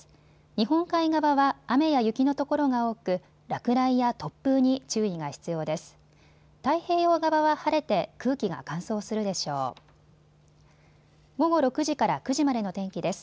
日本海側は雨や雪のところが多く落雷や突風に注意が必要です。